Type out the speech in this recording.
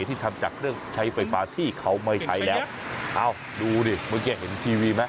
ที่ทำจากเครื่องใช้ไฟฟ้าที่เขาไม่ใช้แล้วเอ้าดูดิเมื่อกี้เห็นทีวีไหม